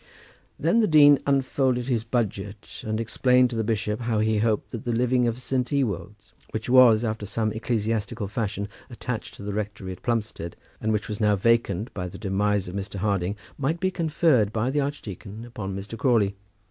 Then the dean unfolded his budget, and explained to the bishop how he hoped that the living of St. Ewolds, which was, after some ecclesiastical fashion, attached to the rectory of Plumstead, and which was now vacant by the demise of Mr. Harding, might be conferred by the archdeacon upon Mr. Crawley.